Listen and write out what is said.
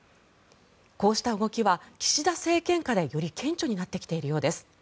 こうした動きは岸田政権下でより顕著になってきているようです。